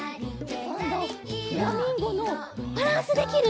こんどフラミンゴのバランスできる？